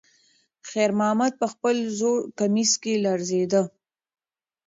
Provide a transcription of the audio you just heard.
خیر محمد په خپل زوړ کمیس کې لړزېده.